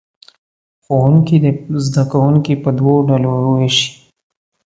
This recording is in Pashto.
ښوونکي دې زه کوونکي په دوو ډلو ووېشي.